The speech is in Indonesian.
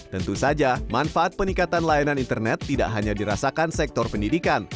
tentu saja manfaat peningkatan layanan internet tidak hanya dirasakan sektor pendidikan